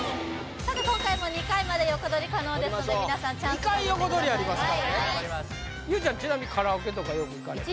さて今回も２回まで横取り可能ですので皆さんチャンス２回横取りありますからね優ちゃんちなみにカラオケとかよく行かれますか？